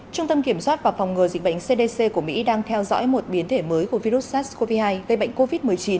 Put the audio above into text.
trung tâm kiểm soát và phòng ngừa dịch bệnh cdc của mỹ đang theo dõi một biến thể mới của virus sars cov hai gây bệnh covid một mươi chín